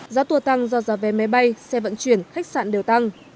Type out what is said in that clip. giá tour tăng do giá vé máy bay xe vận chuyển khách sạn đều tăng